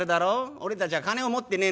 俺たちは金を持ってねえんだ。